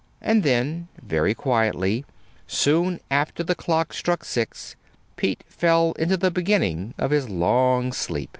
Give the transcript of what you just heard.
And then, very quietly, soon after the clock struck six, Pete fell into the beginning of his long sleep.